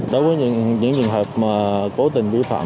đối với những trường hợp mà cố tình tuyên truyền